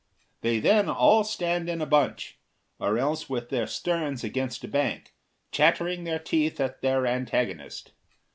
They then all stand in a bunch, or else with their sterns against a bank, chattering their teeth at their antagonist.